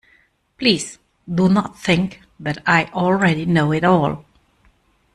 Please do not think that I already know it all.